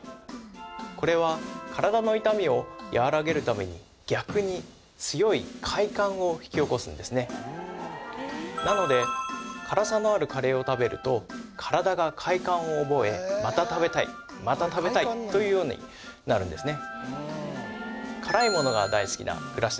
これは体の痛みを和らげるために逆に強い快感を引き起こすんですねなので辛さのあるカレーを食べると体が快感を覚えまた食べたいまた食べたいというようになるんですね